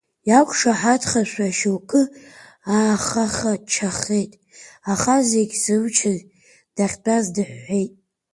Иақәшаҳаҭхашәа шьоукгьы аахаха-чахеит, аха зегь зымчыз дахьтәаз дыҳәҳәеит.